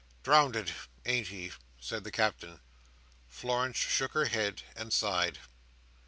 "Drownded, ain't he?" said the Captain. Florence shook her head, and sighed.